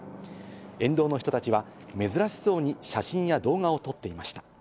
沿道の人たちは珍しそうに写真や動画を撮っていました。